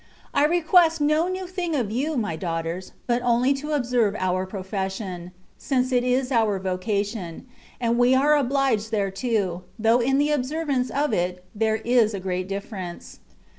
I request no new thing of you, my daughters, but only to observe our profession — since it is our vocation, and we are obliged thereto, though in the observ ance of it there is a great difference.